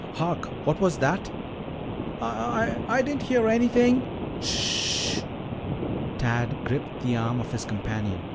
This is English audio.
"Hark! What was that?" "I I didn't hear anything." "Sh h h!" Tad gripped the arm of his companion.